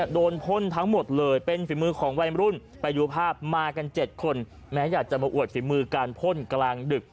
พ่นทั้งหมดเลยเป็นฝีมือของวัยมรุ่นไปดูภาพมากัน๗คนแม้อยากจะมาอวดฝีมือการพ่นกลางดึก